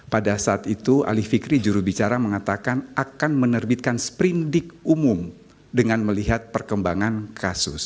pada saat itu ali fikri jurubicara mengatakan akan menerbitkan sprindik umum dengan melihat perkembangan kasus